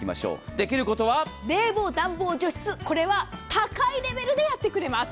できることは冷房、暖房、除湿、これは高いレベルでやってくれます。